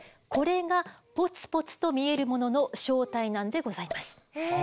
これがポツポツと見えるものの正体なんでございます。